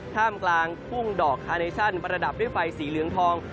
ท่ามกลางทุ่งดอกอาเนชั่นประดับด้วยไฟสีเหลืองทอง